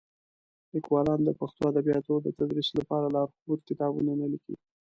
لیکوالان د پښتو ادبیاتو د تدریس لپاره لارښود کتابونه نه لیکي.